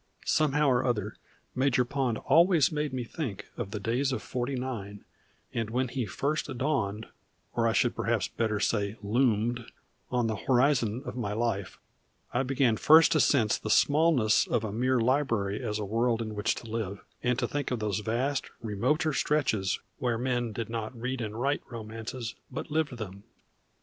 Somehow or other Major Pond always made me think of the days of Forty nine, and when he first dawned, or I should perhaps better say loomed, on the horizon of my life, I began first to sense the smallness of a mere library as a world in which to live, and to think of those vast, remoter stretches where men did not read and write romances, but lived them.